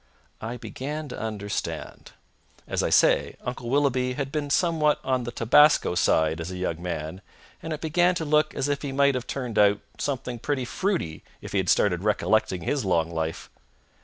I began to understand. As I say, Uncle Willoughby had been somewhat on the tabasco side as a young man, and it began to look as if he might have turned out something pretty fruity if he had started recollecting his long life.